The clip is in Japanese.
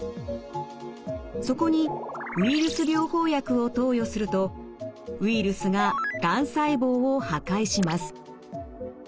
そこにウイルス療法薬を投与するとウイルスががん細胞を破壊します。